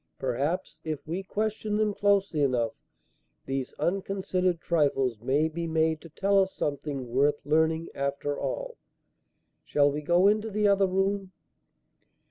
Perhaps, if we question them closely enough, these unconsidered trifles may be made to tell us something worth learning after all. Shall we go into the other room?"